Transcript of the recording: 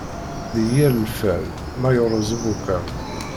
D yir lfal, ma yerreẓ ubuqal.